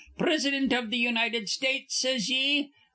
Prisidint iv th' United States, says ye?